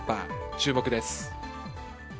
注目です。